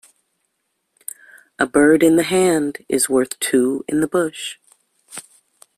A bird in the hand is worth two in the bush.